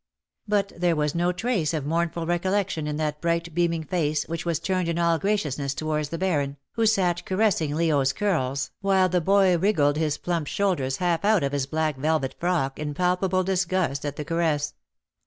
But there Avas no trace of mournful recollection in that bright beaming face which was turned in all graciousness towards the Baron, who sat caressing Leo^s curls, while the boy wriggled his plump shoulders half out of his black velvet frock in palpable disgust at the caress.